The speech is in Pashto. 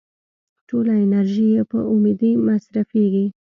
ټوله انرژي يې په امدې مصرفېږي.